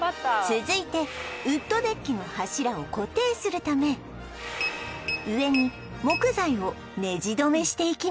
続いてウッドデッキの柱を固定するため上に木材をネジどめしていきます